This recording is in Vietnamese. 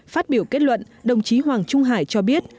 phát biểu kết luận đồng chí hoàng trung hải cho biết